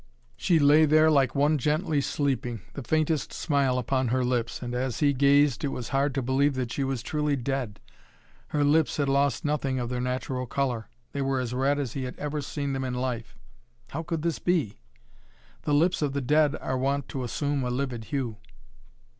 She lay there like one gently sleeping, the faintest smile upon her lips, and, as he gazed, it was hard to believe that she was truly dead. Her lips had lost nothing of their natural color. They were as red as he had ever seen them in life. How could this be? The lips of the dead are wont to assume a livid hue.